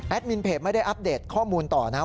แอดมินเพจไม่ได้อัปเดตข้อมูลต่อนะ